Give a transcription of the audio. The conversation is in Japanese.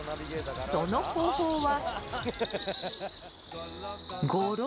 その方法は。